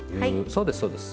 そうですそうです。